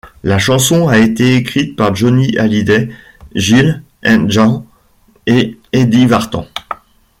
La chanson a été écrite par Johnny Hallyday, Jil et Jan et Eddie Vartan.